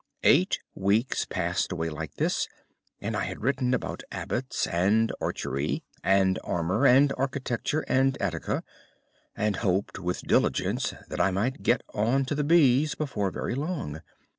"Eight weeks passed away like this, and I had written about Abbots and Archery and Armour and Architecture and Attica, and hoped with diligence that I might get on to the B's before very long.